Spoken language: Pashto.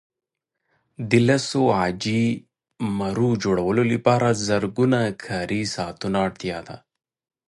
د لسو عاجي مرو جوړولو لپاره زرګونه کاري ساعته اړتیا ده.